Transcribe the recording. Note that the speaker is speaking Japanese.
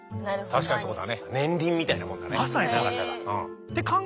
確かにそうだ！